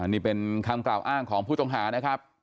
นี่เป็นคำกล่าวอ้างของผู้ต้องหานะครับ